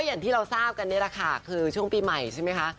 อย่างที่เราทราบกันนี่แหละค่ะคือช่วงปีใหม่ใช่ไหมคะ